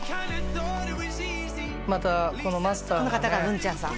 またこのマスターがねこの方がぶんちゃんさん